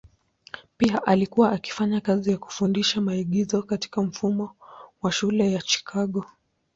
Pia alikuwa akifanya kazi ya kufundisha maigizo katika mfumo wa shule ya Chicago.